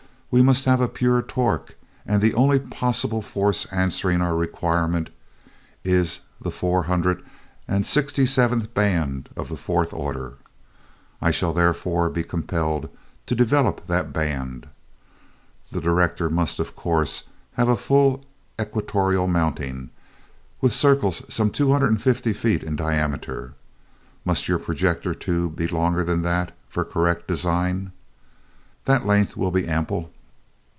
We must have a pure torque and the only possible force answering our requirements is the four hundred sixty seventh band of the fourth order. I shall therefore be compelled to develop that band. The director must, of course, have a full equatorial mounting, with circles some two hundred and fifty feet in diameter. Must your projector tube be longer than that, for correct design?" "That length will be ample."